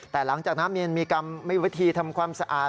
แต่หลังจากนั้นมีวิธีทำความสะอาด